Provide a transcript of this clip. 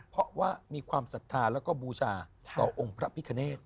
เพราะว่ามีความศรัทธาแล้วก็บูชาต่อองค์พระพิคเนต